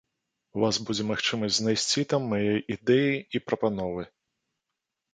У вас будзе магчымасць знайсці там мае ідэі і прапановы.